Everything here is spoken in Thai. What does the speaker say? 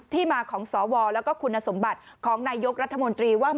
มาของสวแล้วก็คุณสมบัติของนายกรัฐมนตรีว่า